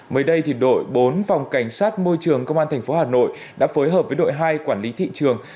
mới đây đội bốn phòng cảnh sát môi trường công an tp hà nội đã phối hợp với đội hai quản lý thị trường